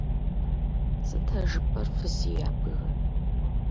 Сыт а жыпӀэр, фыз ябгэ?!